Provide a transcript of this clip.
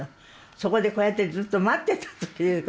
そこでこうやってずっと待ってたという。